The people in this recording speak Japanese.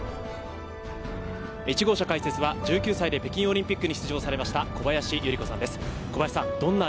１号車解説は、１９歳で北京オリンピックに出場した小林祐梨子さんです。